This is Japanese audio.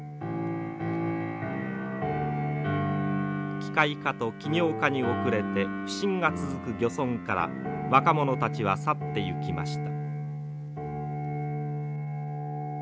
機械化と企業化に後れて不振が続く漁村から若者たちは去っていきました。